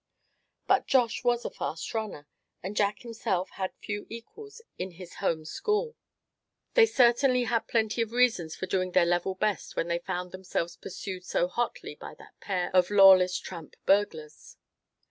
But Josh was a fast runner, and Jack himself had few equals in his home school. They certainly had plenty of reasons for doing their level best when they found themselves pursued so hotly by that pair of lawless tramp burglars.